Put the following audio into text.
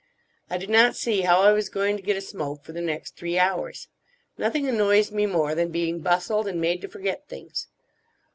I did not see how I was going to get a smoke for the next three hours. Nothing annoys me more than being bustled and made to forget things.